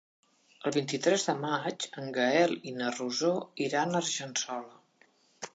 El vint-i-tres de maig en Gaël i na Rosó iran a Argençola.